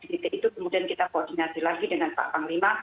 jadi itu kemudian kita koordinasi lagi dengan pak panglima